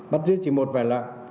bắt giữ chỉ một vài lạ